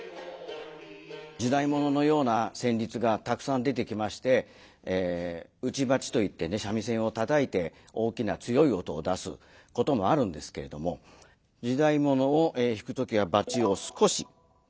時代物のような旋律がたくさん出てきまして打ち撥といってね三味線をたたいて大きな強い音を出すこともあるんですけれども「時代物」を弾く時は撥を少し立てます。